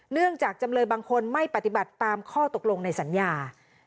จากจำเลยบางคนไม่ปฏิบัติตามข้อตกลงในสัญญา